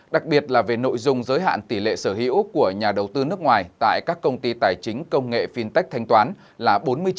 đặc biệt là về nội dung giới hạn tỷ lệ sở hữu của nhà đầu tư nước ngoài tại các công ty tài chính công nghệ fintech thanh toán là bốn mươi chín